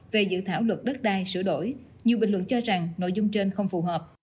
về dự thảo luật đất đai sửa đổi nhiều bình luận cho rằng nội dung trên không phù hợp